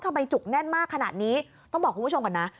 จุกแน่นมากขนาดนี้ต้องบอกคุณผู้ชมก่อนนะ